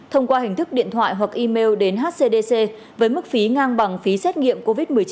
thông qua hình thức điện thoại hoặc email đến hcdc với mức phí ngang bằng phí xét nghiệm covid một mươi chín